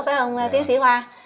phải không tiếu sĩ hoa